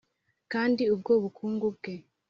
kandi ubwo bukungu bwe